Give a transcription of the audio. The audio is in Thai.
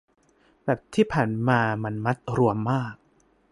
แบบที่ผ่านมามันมัดรวมมาก